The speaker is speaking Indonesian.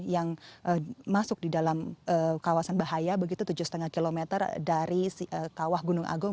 yang masuk di dalam kawasan bahaya begitu tujuh lima km dari kawah gunung agung